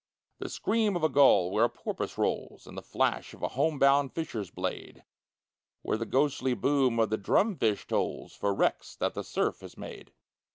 The scream of a gull where a porpoise rolls; And the flash of a home bound fisher's blade, Where the ghostly boom of the drum fish tolls For wrecks that the surf has made.